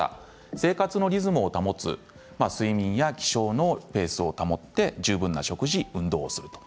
生活のリズムを保つ睡眠や起床のペースを保って十分な食事、運動をする。